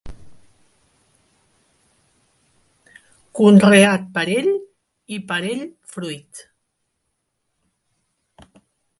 Conreat per ell i per ell fruït